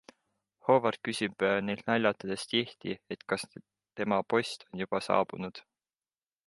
Howard küsib neilt naljatledes tihti, et kas tema post on juba saabunud.